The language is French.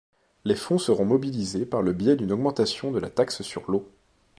Les fonds seront mobilisés par le biais d'une augmentation de la taxe sur l'eau.